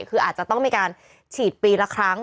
คืออาจจะต้องมีการฉีดปีละครั้ง